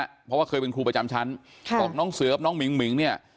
เพราะว่าเคยเป็นครูประจำชั้นค่ะบอกน้องเสือกับน้องหมิ่งหิงเนี่ย